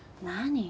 何？